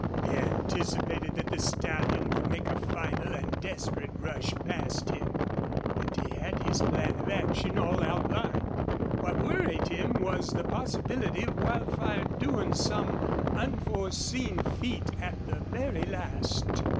He anticipated that the stallion would make a final and desperate rush past him; and he had his plan of action all outlined. What worried him was the possibility of Wildfire doing some unforeseen feat at the very last.